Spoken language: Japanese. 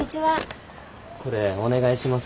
これお願いします。